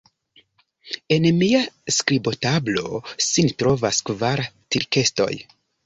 En mia skribotablo sin trovas kvar tirkestoj.